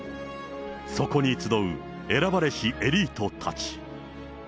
そこに集う選ばれしエリートたち。